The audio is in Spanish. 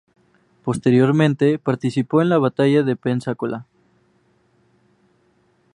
Posteriormente, participó en la batalla de Pensacola.